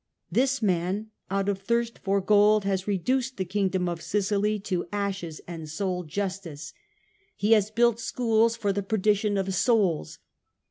This man out of thirst for gold has re duced the Kingdom of Sicily to ashes and sold justice. THE SECOND EXCOMMUNICATION 167 He has built schools for the perdition of souls.